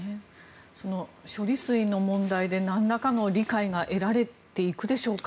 処理水の問題でなんらかの理解が得られていくでしょうか？